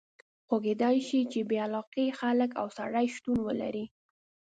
خو کېدای شي چې بې علاقې خلک او سړي شتون ولري.